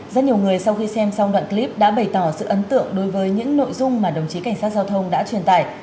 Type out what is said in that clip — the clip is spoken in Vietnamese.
rất nhiều người sau khi xem xong đoạn clip đã bày tỏ sự ấn tượng đối với những nội dung mà đồng chí cảnh sát giao thông đã truyền tải